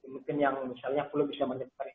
mungkin yang misalnya flu bisa menyebar lewat darah